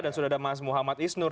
dan sudah ada mas muhammad isnur